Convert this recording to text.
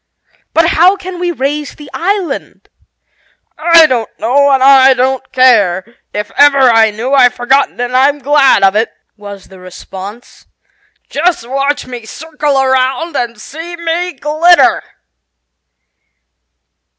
"But how can we raise the island?" "I don't know and I don't care. If ever I knew I've forgotten, and I'm glad of it," was the response. "Just watch me circle around and see me glitter!